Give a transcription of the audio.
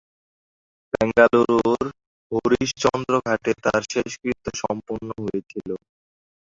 বেঙ্গালুরুর হরিশচন্দ্র ঘাটে তাঁর শেষকৃত্য সম্পন্ন হয়েছিল।